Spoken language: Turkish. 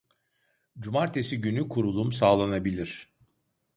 Cumartesi günü kurulum sağlanabilir.